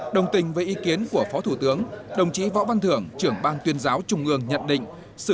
đồng tình với ý kiến của phó thủ tướng đồng chí võ văn thưởng trưởng ban tuyên giáo trung ương nhận định